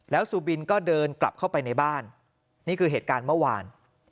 แล้วสุบินก็เดินกลับเข้าไปในบ้านนี่คือเหตุการณ์เมื่อวาน